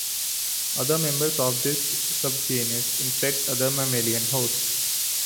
Other members of this subgenus infect other mammalian hosts.